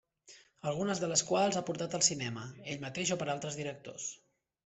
Algunes de les quals ha portat al cinema ell mateix o per altres directors.